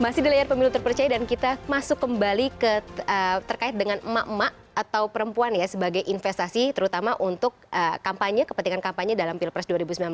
masih di layar pemilu terpercaya dan kita masuk kembali terkait dengan emak emak atau perempuan ya sebagai investasi terutama untuk kampanye kepentingan kampanye dalam pilpres dua ribu sembilan belas